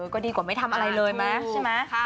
ก็ดีกว่าไม่ทำอะไรเลยมั้ยใช่ไหม